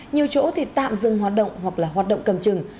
nhiều chỗ thì tạm dừng hoạt động hoặc là hoạt động cầm chừng